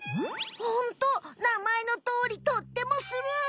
ホントなまえのとおりとってもスロー。